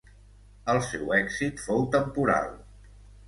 El seu èxit fou temporal.